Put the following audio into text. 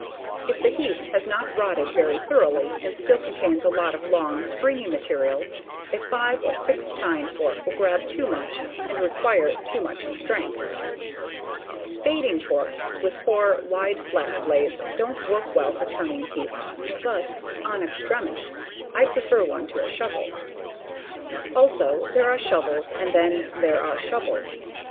If the heap has not rotted very thoroughly and still contains a lot of long, stringy material, a five or six tine fork will grab too much and may require too much strength. Spading forks with four wide flat blades don't work well for turning heaps, but en extremis I'd prefer one to a shovel. Also, there are shovels and then, there are shovels.